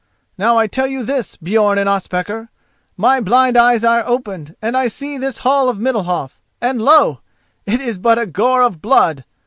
Now I tell you this, Björn and Ospakar! My blind eyes are opened and I see this hall of Middalhof, and lo! it is but a gore of blood!